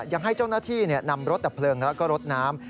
ยังให้เจ้าหน้าที่นำรถดับเพลิงแล้วก็รถน้ำ